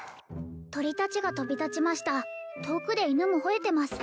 鳥達が飛び立ちました遠くで犬も吠えてます